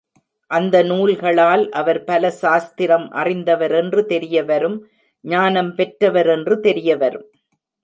அந்த நூல்களால் அவர் பல சாஸ்திரம் அறிந்தவரென்று தெரியவரும் ஞானம் பெற்றவரென்று தெரியவரும்.